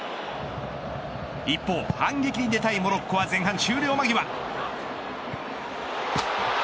一方反撃に出たいモロッコは前半終了間際。